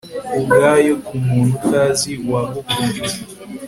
ubwayo, ku muntu utazi wagukunze